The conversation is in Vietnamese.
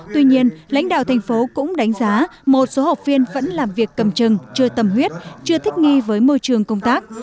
tuy nhiên lãnh đạo thành phố cũng đánh giá một số học viên vẫn làm việc cầm chừng chưa tầm huyết chưa thích nghi với môi trường công tác